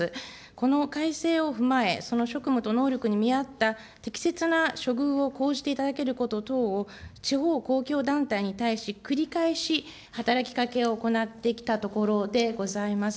この改正を踏まえ、その職務と能力に見合った適切な処遇を講じていただけること等を、地方公共団体に対し、繰り返し働きかけを行ってきたところでございます。